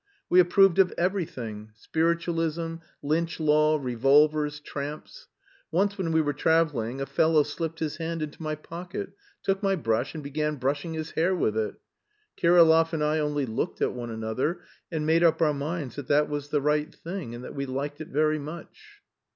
We approved of everything: spiritualism, lynch law, revolvers, tramps. Once when we were travelling a fellow slipped his hand into my pocket, took my brush, and began brushing his hair with it. Kirillov and I only looked at one another, and made up our minds that that was the right thing and that we liked it very much...."